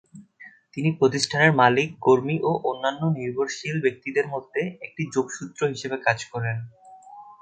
তিনি প্রতিষ্ঠানের মালিক, কর্মী ও অন্যান্য নির্ভরশীল ব্যক্তিদের মধ্যে একটি যোগসূত্র হিসেবে কাজ করেন।